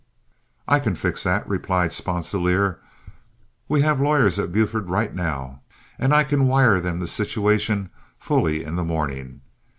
"I can fix that," replied Sponsilier. "We have lawyers at Buford right now, and I can wire them the situation fully in the morning.